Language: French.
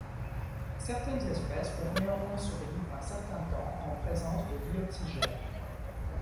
Certaines espèces peuvent néanmoins survivre un certain temps en présence de dioxygène.